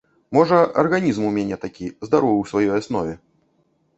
Можа, арганізм у мяне такі здаровы ў сваёй аснове.